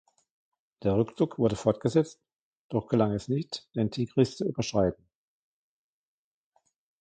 Der Rückzug wurde fortgesetzt, doch gelang es nicht, den Tigris zu überschreiten.